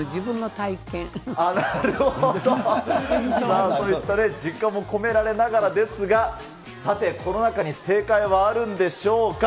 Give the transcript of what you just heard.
なるほど、そういった実感も込められながらですが、さて、この中に正解はあるんでしょうか。